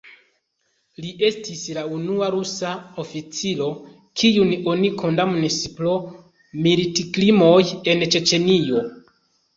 Li estis la unua rusa oficiro, kiun oni kondamnis pro militkrimoj en Ĉeĉenio.